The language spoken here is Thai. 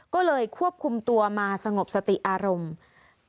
ก็เลยควบคุมตัวมาสงบสติอารมณ์